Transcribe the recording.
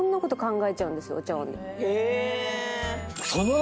え